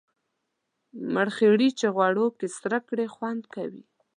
مرخیړي چی غوړو کی سره کړی خوند کوي